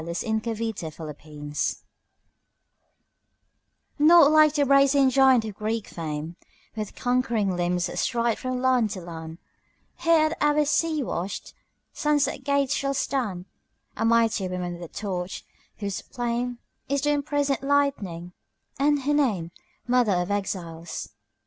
The New Colossus Emma Lazarus NOT like the brazen giant of Greek fame, With conquering limbs astride from land to land; Here at our sea washed, sunset gates shall standA mighty woman with a torch, whose flameIs the imprisoned lightning, and her nameMother of Exiles.